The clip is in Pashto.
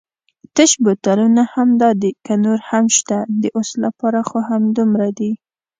تش بوتلونه همدای دي که نور هم شته؟ د اوس لپاره خو همدومره دي.